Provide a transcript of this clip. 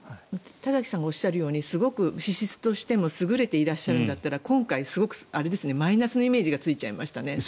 田崎さんがおっしゃるようにすごく資質でも優れていらっしゃるんだったら今回、すごくマイナスのイメージがついちゃいましたね。